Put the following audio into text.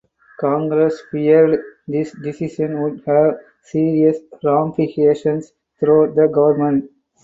Congress feared this decision would have serious ramifications throughout the government.